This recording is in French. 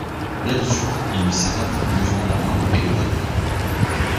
Là-dessus, il lui serra vigoureusement la main, et leva le camp.